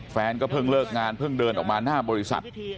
แฟนก็เพิ่งเลิกงานเพิ่งเดินออกมาหน้าบริษัท